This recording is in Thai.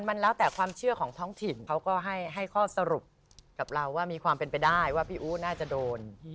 มันแล้วแต่ความเชื่อของท้องถิ่นเขาก็ให้ข้อสรุปกับเราว่ามีความเป็นไปได้ว่าพี่อู๋น่าจะโดน